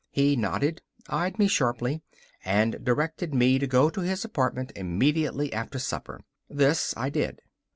He nodded, eyed me sharply, and directed me to go to his apartment immediately after supper. This I did.